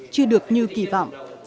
chưa được như kỳ vọng